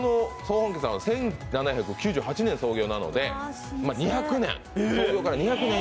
１７９８年創業なので２００年。